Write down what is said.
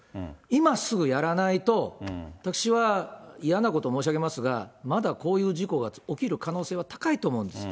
今すぐやらないと、私は嫌なことを申し上げますが、まだこういう事故が起きる可能性は高いと思うんです。